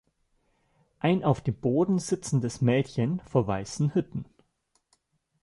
Ein auf dem Boden sitzendes Mädchen vor weißen Hütten